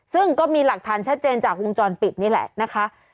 ซึ่งก็มีหลักฐานชัดเจนจากวงจรปิดนี่แหละนะคะ